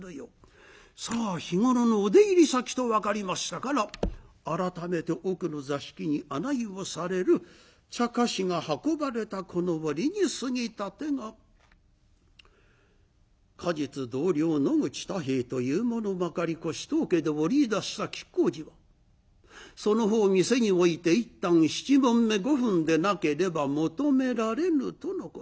さあ日頃のお出入り先と分かりましたから改めて奥の座敷に案内をされる茶菓子が運ばれたこの折に杉立が「過日同僚野口太兵衛という者まかり越し当家で織りいだした亀甲縞その方店に置いて１反７匁５分でなければ求められぬとのこと。